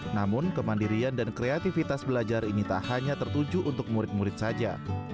namun kemandirian dan kreativitas belajar ini tak hanya tertuju untuk murid murid saja